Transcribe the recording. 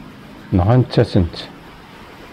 Nɣant-asen-tt.